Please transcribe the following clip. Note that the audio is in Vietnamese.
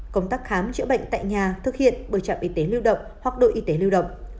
công tác khám chữa bệnh tại nhà thực hiện bởi trạm y tế lưu động hoặc đội y tế lưu động